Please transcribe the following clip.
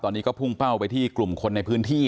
ตอนนี้ก็พุ่งเป้าไปที่กลุ่มคนในพื้นที่